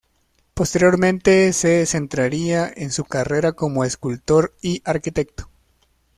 Posteriormente se centraría en su carrera como escultor y arquitecto.